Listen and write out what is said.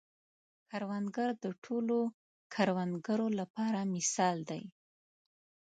کروندګر د ټولو کروندګرو لپاره مثال دی